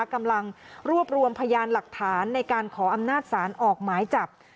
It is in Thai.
กำลังรวบรวมพยานหลักฐานในการขออำนาจศาลออกหมายจับ